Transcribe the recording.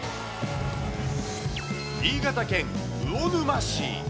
新潟県魚沼市。